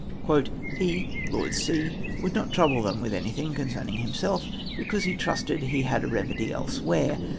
" He (Lord C.) wovild not trouljle them with anything con cerning himself, because he trusted he had a remedy elsewhere.